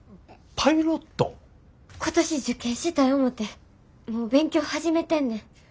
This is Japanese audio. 今年受験したい思てもう勉強始めてんねん。